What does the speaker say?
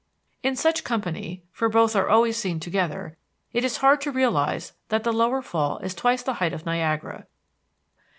In such company, for both are always seen together, it is hard to realize that the Lower Fall is twice the height of Niagara.